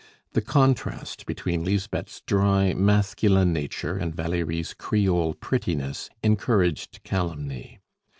The contrast between Lisbeth's dry masculine nature and Valerie's creole prettiness encouraged calumny.